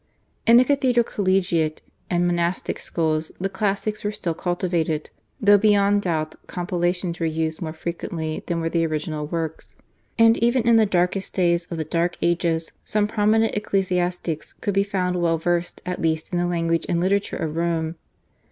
In the cathedral, collegiate, and monastic schools the classics were still cultivated, though beyond doubt compilations were used more frequently than were the original works; and even in the darkest days of the dark ages some prominent ecclesiastics could be found well versed at least in the language and literature of Rome.